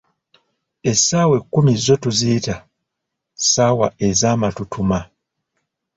Essaawa ekkumi zo tuziyita, "ssaawa ezamatutuma"